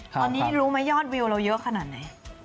พี่รู้มั้ยยอดวิวเราเยอะขนาดไหน